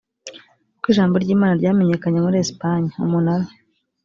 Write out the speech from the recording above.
uko ijambo ry imana ryamenyekanye muri esipanye umunara